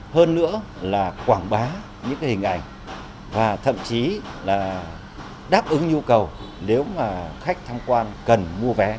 hơn nữa là quảng bá những hình ảnh và thậm chí là đáp ứng nhu cầu nếu mà khách tham quan cần mua vé